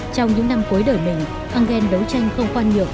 trong những năm cuối đời mình engel đấu tranh không khoan nhượng